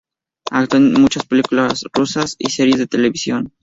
Actuó en muchas películas rusas y series de televisión.